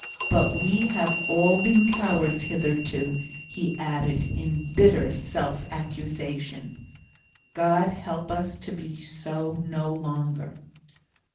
But we have all been cowards hitherto," he added, in bitter self accusation. "God help us to be so no longer!"